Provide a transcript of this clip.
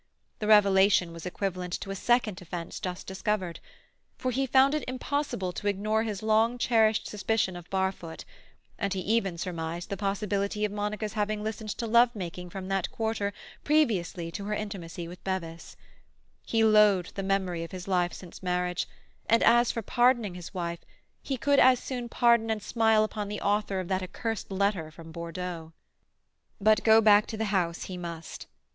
The revelation was equivalent to a second offence just discovered; for he found it impossible to ignore his long cherished suspicion of Barfoot, and he even surmised the possibility of Monica's having listened to love making from that quarter previously to her intimacy with Bevis. He loathed the memory of his life since marriage; and as for pardoning his wife, he could as soon pardon and smile upon the author of that accursed letter from Bordeaux. But go back to the house he must.